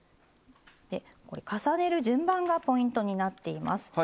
でこれ重ねる順番がポイントになっています。